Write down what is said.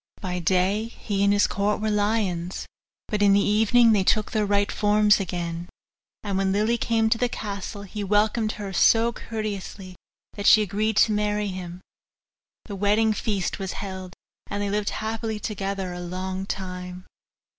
By day he and all his court were lions, but in the evening they took their right forms again. And when Lily came to the castle, he welcomed her so courteously that she agreed to marry him. The wedding feast was held, and they lived happily together a long time.